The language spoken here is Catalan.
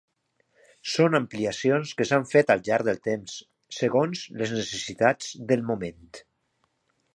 Són ampliacions que s’han fet al llarg del temps, segons les necessitats del moment.